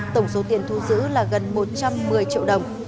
tổng số tiền thu giữ là gần một trăm một mươi triệu đồng